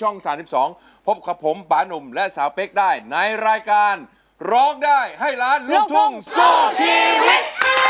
ในรายการร้องได้ให้ล้านลูกทุ่งโสชีวิต